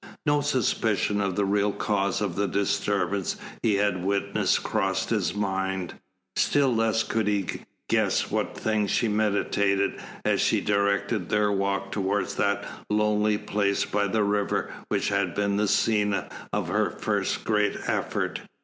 No suspicion of the real cause of the disturbance he had witnessed crossed his mind, still less could he guess what thing she meditated as she directed their walk towards that lonely place by the river which had been the scene of her first great effort.